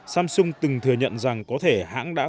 samsung từng thừa nhận rằng có thể hãng đã